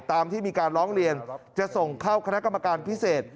ตามที่มีการร้องเรียนจะส่งเข้าคณะกรรมการพิเศษ